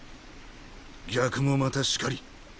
逆もまたしかり。